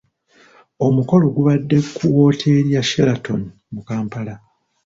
Omukolo gubadde ku wooteeri ya Sheraton mu Kampala.